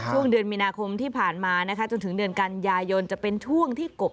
ช่วงเดือนมีนาคมที่ผ่านมานะคะจนถึงเดือนกันยายนจะเป็นช่วงที่กบ